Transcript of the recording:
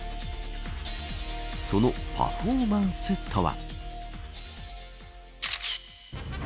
そのパフォーマンスとは。